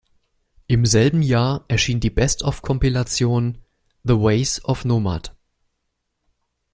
Im selben Jahr erschien die Best-of-Kompilation "The ways of nomad".